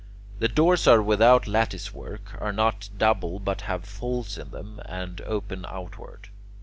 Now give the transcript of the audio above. The doors are without lattice work, are not double but have folds in them, and open outward.